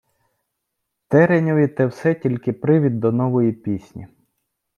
Тереньові те все тільки привід до нової пісні.